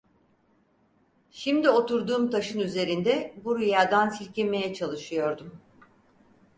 Şimdi oturduğum taşın üzerinde bu rüyadan silkinmeye çalışıyordum.